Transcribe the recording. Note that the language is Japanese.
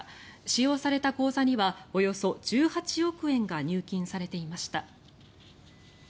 使用された口座にはおよそ１８億円が入金されていました。